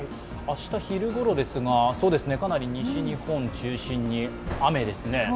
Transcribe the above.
明日昼ごろ、かなり西日本中心に雨ですね。